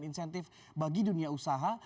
intif bagi dunia usaha